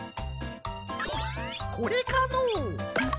これかのう？